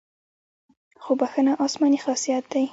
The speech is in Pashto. خو بښنه آسماني خاصیت دی.